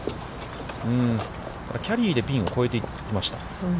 キャリーでピンを越えていきました。